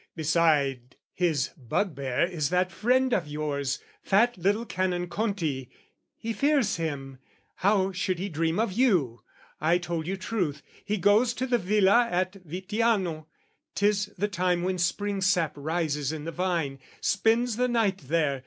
"Beside, his bugbear is that friend of yours, "Fat little Canon Conti. He fears him "How should he dream of you? I told you truth "He goes to the villa at Vittiano 'tis "The time when Spring sap rises in the vine "Spends the night there.